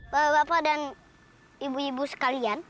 bapak bapak dan ibu ibu sekalian